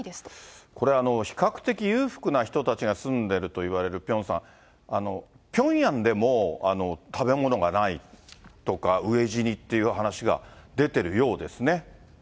これ、比較的裕福な人たちが住んでるといわれる、ピョンさん、ピョンヤンでも食べ物がないとか、飢え死にっていう話が出てるようですね。